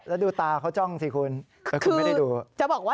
แล้วดูตาเขาจ้องสิคุณแต่คุณไม่ได้ดู